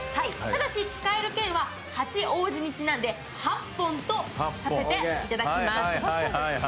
ただし、使える剣は八王子にちなんで８本とさせていただきます。